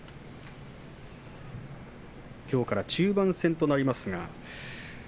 きょうから中盤戦となります。